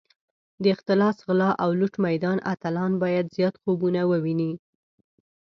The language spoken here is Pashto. د اختلاس، غلا او لوټ میدان اتلان باید زیات خوبونه وویني.